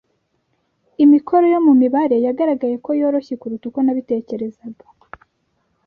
Imikoro yo mu mibare yagaragaye ko yoroshye kuruta uko nabitekerezaga.